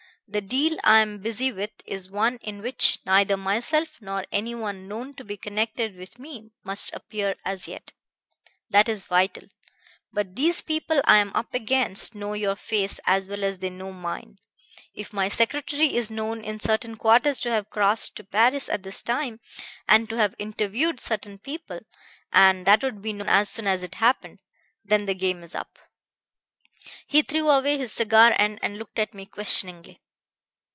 The deal I am busy with is one in which neither myself nor any one known to be connected with me must appear as yet. That is vital. But these people I am up against know your face as well as they know mine. If my secretary is known in certain quarters to have crossed to Paris at this time and to have interviewed certain people and that would be known as soon as it happened then the game is up.' He threw away his cigar end and looked at me questioningly.